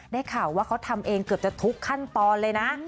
ได้ข่าวว่าเขาทำเองเกือบจะทุกขั้นตอนเลยนะ